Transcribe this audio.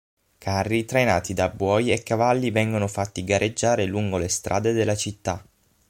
Carri trainati da buoi e cavalli vengono fatti gareggiare lungo le strade della città.